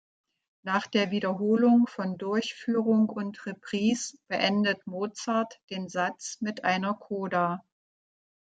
Nach der Wiederholung von Durchführung und Reprise beendet Mozart den Satz mit einer Coda.